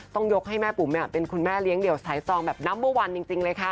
ต้องยกให้แม่ปุ๋มเป็นคุณแม่เลี้ยงเดี่ยวสายซองแบบนัมเบอร์วันจริงเลยค่ะ